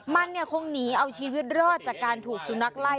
มันคงหนีเอาชีวิตรอดจากการถูกสุนัขไล่